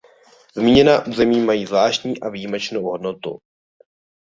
Zmíněná území mají zvláštní a výjimečnou hodnotu.